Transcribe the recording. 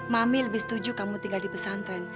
mami lebih setuju kamu tinggal di pesantren